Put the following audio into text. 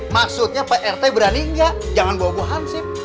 maksudnya pak rt berani enggak jangan bawa bawa hansip